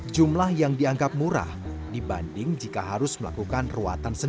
jumlah yang dianggap murah dibanding jika harus melakukan ruatan